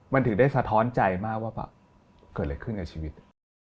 มันถึงได้สะท้อนใจมากว่าแบบเกิดอะไรขึ้นกับชีวิต